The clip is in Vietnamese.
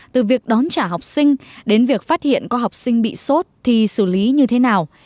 từ việc đón trả học sinh đến việc phát hiện có học sinh bị sốt thì xử lý như thế nào